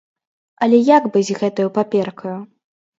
Але як быць з гэтаю паперкаю?